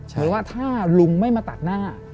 หรือว่าถ้าลุงไม่มาตัดหน้า